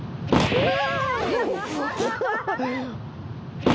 うわ！